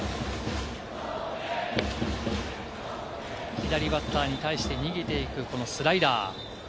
左バッターに対して逃げていくこのスライダー。